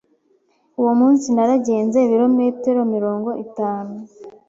Uwo munsi naragenze ibirometero mirongo itanu.